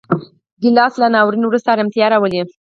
ګیلاس له ناورین وروسته ارامتیا راولي.